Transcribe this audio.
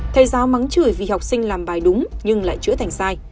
thầy giáo mắng chửi vì học sinh làm bài đúng nhưng lại chữa thành sai